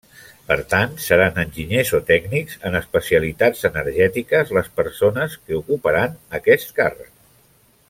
Per tant, seran enginyers o tècnics en especialitats energètiques les persones que ocuparan aquest càrrec.